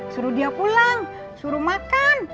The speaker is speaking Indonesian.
suruh dia pulang suruh makan